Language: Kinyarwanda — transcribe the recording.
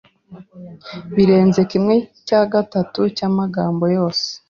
birenze kimwe cya gatatu cyamagambo yose